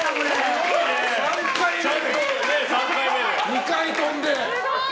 ２回跳んで。